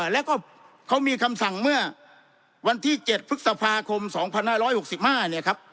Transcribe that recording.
แล้วก็เขามีคำสั่งเมื่อวันที่๗พฤษภาคม๒๕๖๕เนี่ยครับ